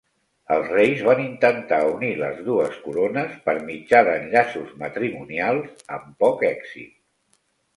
Els reis van intentar unir les dues corones per mitjà d'enllaços matrimonials, amb poc èxit.